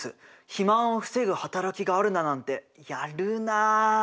肥満を防ぐ働きがあるだなんてやるなあ。